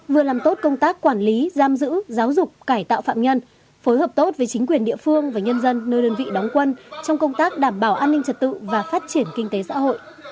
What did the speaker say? vừa làm tốt công tác quản lý giam giữ giáo dục cải tạo phạm nhân phối hợp tốt với chính quyền địa phương và nhân dân nơi đơn vị đóng quân trong công tác đảm bảo an ninh trật tự và phát triển kinh tế xã hội